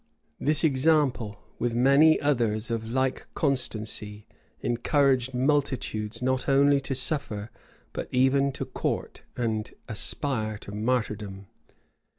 [] This example, with many others of like constancy, encouraged multitudes not only to suffer, but even to court and aspire to martyrdom.